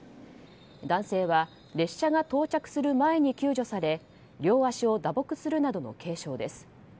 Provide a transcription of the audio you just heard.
男性は列車が到着する前に救助され両足を打撲するなどの軽傷です。